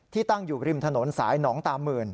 ตั้งอยู่ริมถนนสายหนองตามื่น